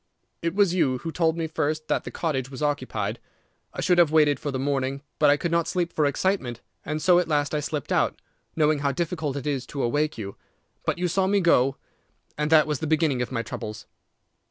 "It was you who told me first that the cottage was occupied. I should have waited for the morning, but I could not sleep for excitement, and so at last I slipped out, knowing how difficult it is to awake you. But you saw me go, and that was the beginning of my troubles.